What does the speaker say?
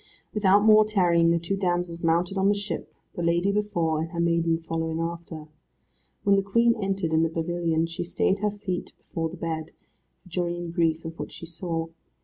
Without more tarrying the two damsels mounted on the ship, the lady before, and her maiden following after. When the Queen entered in the pavilion she stayed her feet before the bed, for joy and grief of what she saw.